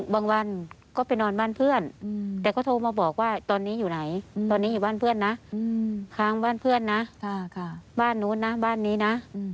บ้านเพื่อนน่ะค้างบ้านเพื่อนน่ะบ้านนู้นน่ะบ้านนี้น่ะ